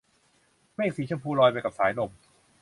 เมฆสีชมพูลอยไปกับสายลม